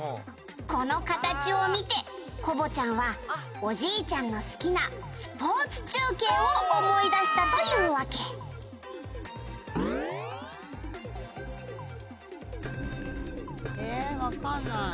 「この形を見てコボちゃんはおじいちゃんの好きなスポーツ中継を思い出したというわけ」えわかんない。